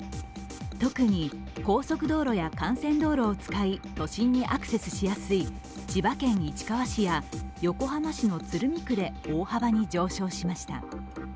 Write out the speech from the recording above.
特に高速道路や幹線道路を使い、都心にアクセスしやすい千葉県市川市や横浜市の鶴見区で大幅に上昇しました。